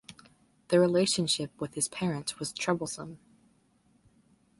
The relationship with his parents was troublesome.